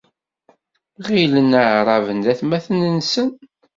ɣilen aɛraben d atmaten-nsen.